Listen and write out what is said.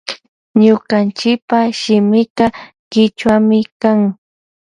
Ñukanchipa shimika kichwami kan.